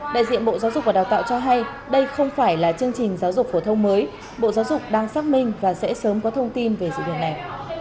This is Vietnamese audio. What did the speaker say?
đại diện bộ giáo dục và đào tạo cho hay đây không phải là chương trình giáo dục phổ thông mới bộ giáo dục đang xác minh và sẽ sớm có thông tin về sự việc này